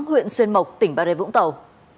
huyện xuyên mộc tỉnh bà rê vũng tàu